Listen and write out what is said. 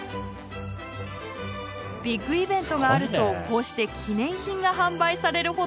ビッグイベントがあるとこうして記念品が販売されるほどの存在なんです。